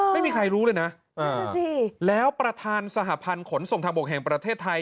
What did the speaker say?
ไม่มีใครรู้เลยนะแล้วประธานสหพันธ์ขนส่งทางบกแห่งประเทศไทย